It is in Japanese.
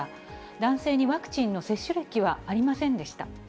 男性にワクチンの接種歴はありませんでした。